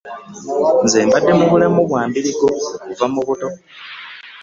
Nze mbadde mu bulamu bwa mbirigo okuva mu buto.